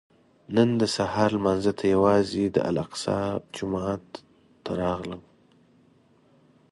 نن د سهار لمانځه ته یوازې الاقصی جومات ته راغلم.